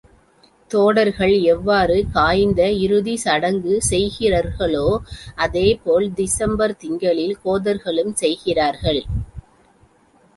தோடர்கள் எவ்வாறு காய்ந்த இறுதிச் சடங்கு செய்கிறர்களோ, அதே போல் திசம்பர் திங்களில் கோதர்களும் செய்கிறார்கள்.